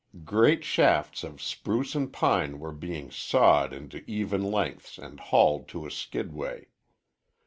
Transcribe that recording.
Great shafts of spruce and pine were being sawed into even lengths and hauled to a skidway.